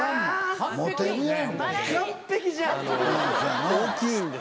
完璧じゃん！